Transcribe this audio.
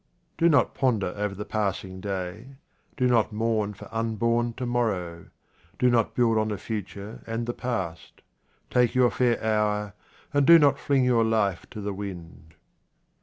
Do not ponder over the passing day. Do not mourn for unborn to morrow. Do not build on the future and the past. Take your fair hour, and do not fling your life to the wind.